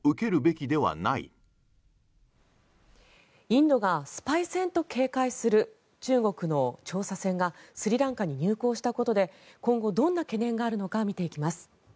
インドがスパイ船と警戒する中国の調査船がスリランカに入港したことで今後どんな懸念があるのか見ていきます。